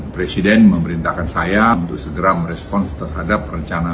presiden memerintahkan saya untuk segera mengembalikan investasi indonesia